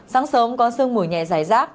sáng sớm có sương mùi nhẹ giải rác